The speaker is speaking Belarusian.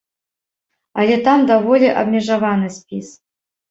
Але там даволі абмежаваны спіс.